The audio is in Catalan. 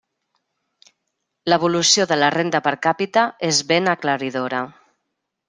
L'evolució de la renda per càpita és ben aclaridora.